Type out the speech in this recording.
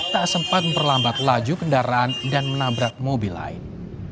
tak sempat memperlambat laju kendaraan dan menabrak mobil lain